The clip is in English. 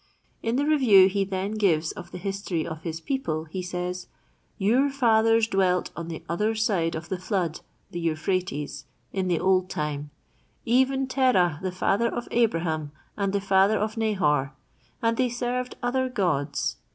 In the review he then gives of the history of his people, he says: "Your fathers dwelt on the other side of the flood—the Euphrates—in the old time; even Terah, the father of Abraham, and the father of Nahor, and they served other gods.